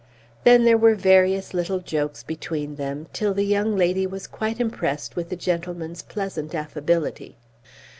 Then there were various little jokes between them, till the young lady was quite impressed with the gentleman's pleasant affability.